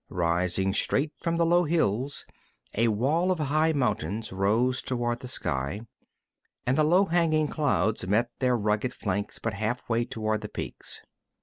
Rising straight from the low hills, a wall of high mountains rose toward the sky, and the low hanging clouds met their rugged flanks but half way toward the peaks.